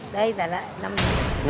đây trả lại năm mươi nghìn